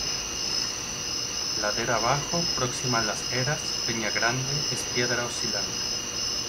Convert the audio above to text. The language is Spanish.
Ladera abajo, próxima a Las Eras, Peña Grande, es piedra oscilante.